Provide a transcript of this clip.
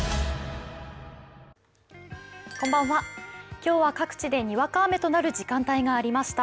今日は各地でにわか雨となる時間帯がありました。